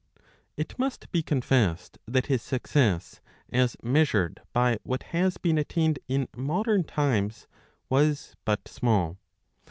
It must be confessed that his success, as measured by what has been attained in modem times, was but small.